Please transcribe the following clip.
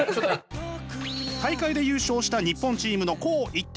大会で優勝した日本チームの紅一点。